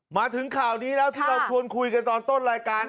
มาถึงข่าวนี้แล้วที่เราชวนคุยกันตอนต้นรายการ